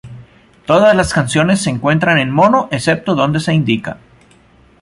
Todas las canciones se encuentran en mono, excepto donde se indica.